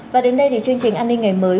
và đến đây thì chương trình an ninh ngày mới